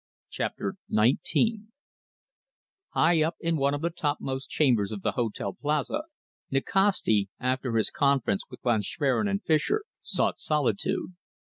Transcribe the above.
CHAPTER XIX High up in one of the topmost chambers of the Hotel Plaza, Nikasti, after his conference with Von Schwerin and Fischer, sought solitude.